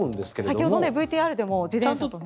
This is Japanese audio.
先ほどＶＴＲでも自転車と。